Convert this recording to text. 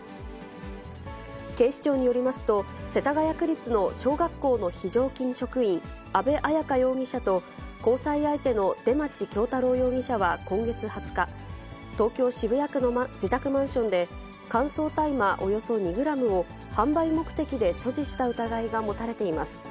警視庁によりますと、世田谷区立の小学校の非常勤職員、安部綾香容疑者と、交際相手の出町恭太郎容疑者は、今月２０日、東京・渋谷区の自宅マンションで、乾燥大麻およそ２グラムを、販売目的で所持した疑いが持たれています。